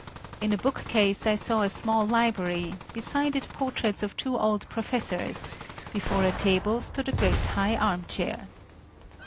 In a bookcase I saw a small library, beside it portraits of two old professors; before a table stood a great high armchair.